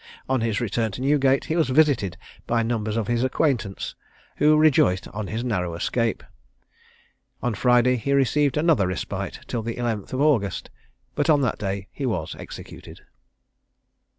On his return to Newgate he was visited by numbers of his acquaintance, who rejoiced on his narrow escape. On Friday he received another respite till the 11th of August, but on that day he was executed.